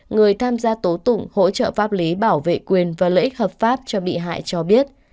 người tham gia tố tụng hỗ trợ pháp lý bảo vệ quyền và lợi ích hợp pháp cho bị hại cho biết